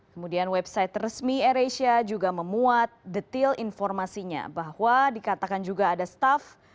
kemudian website resmi air asia juga memuat detail informasinya bahwa dikatakan juga ada staff